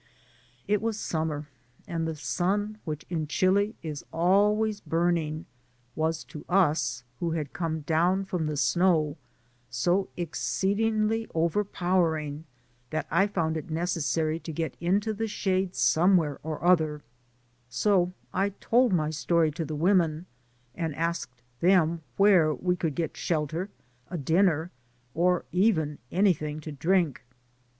It was summer, and the sun, which in Chili is always burning, was to us who had come down from the snow so exceedingly overpowering, that I found it necessary to get into the shade somewhere or other, so I told my story to the women, and asked them where we could get shelter, a dinner, or even anything to drink.